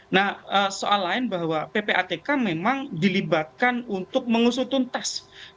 nah soal lain bahwa ppatk memang dilibatkan untuk mengusutun tes